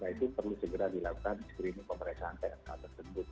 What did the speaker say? nah itu perlu segera dilakukan screening pemeriksaan tnk tersebut